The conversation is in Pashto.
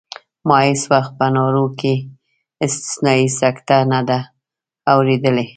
ما هېڅ وخت په نارو کې استثنایي سکته نه ده اورېدلې.